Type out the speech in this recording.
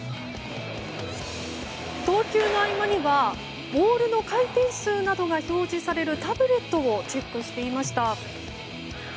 投球の合間にはボールの回転数などが表示されるタブレットをチェックしていました。